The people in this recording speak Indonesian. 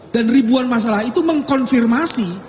dan ribuan masalah itu mengkonfirmasi